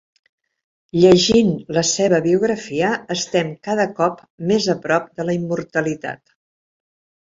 Llegint la seva biografia estem cada cop més a prop de la immortalitat.